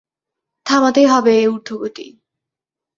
থামাতেই হবে এ উর্ধ্বগতি।